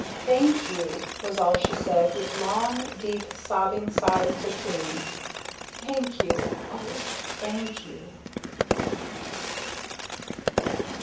"Thank you!" was all she said, with long, deep sobbing sighs between. "Thank you! O thank you!"